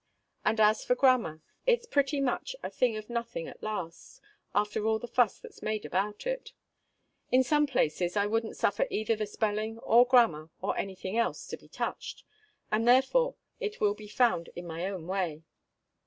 And as for grammar, it's pretty much a thing of nothing at last, after all the fuss that's made about it. In some places, I wouldn't suffer either the spelling, or grammar, or any thing else to be touch'd; and therefore it will be found in my own way.